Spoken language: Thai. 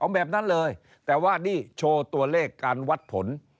แบบนั้นเลยแต่ว่านี่โชว์ตัวเลขการวัดผล